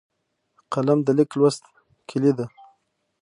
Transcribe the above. قلم د لیک لوست کلۍ ده